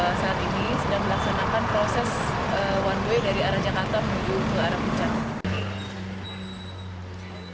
jadi saat ini sedang melaksanakan proses one way dari arah jakarta menuju ke arah puncak